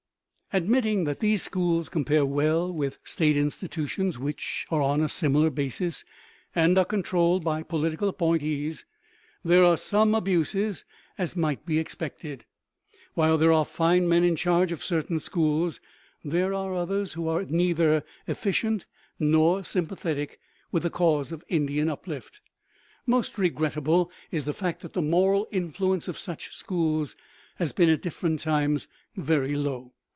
Admitting that these schools compare well with state institutions which are on a similar basis, and are controlled by political appointments, there are some abuses, as might be expected. While there are fine men in charge of certain schools, there are others who are neither efficient nor sympathetic with the cause of Indian uplift. Most regrettable is the fact that the moral influence of such schools has been at different times very low.